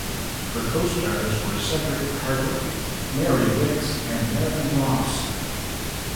Her costars were Cedric Hardwicke, Mary Wickes and Marion Ross.